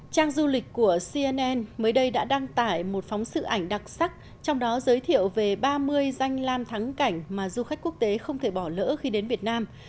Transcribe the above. trang du lịch của cnn mới đây đã đăng tải một phóng sự ảnh đặc sắc trong đó giới thiệu về ba mươi danh lam thắng cảnh mà du khách quốc tế không thể bỏ lỡ khi đến việt nam